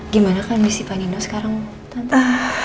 gimana kondisi pak nino sekarang tata